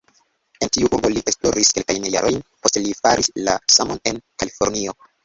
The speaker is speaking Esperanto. En tiu urbo li esploris kelkajn jarojn, poste li faris la samon en Kalifornio.